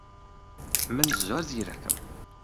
من زۆر زیرەکم.